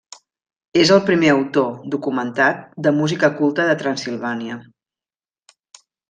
És el primer autor, documentat, de música culta de Transsilvània.